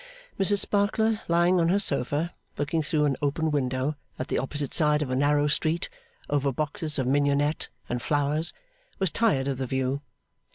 Mrs Sparkler, lying on her sofa, looking through an open window at the opposite side of a narrow street over boxes of mignonette and flowers, was tired of the view.